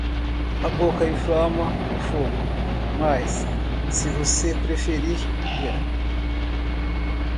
A boca inflama o fogo, mas, se você preferir, desliga.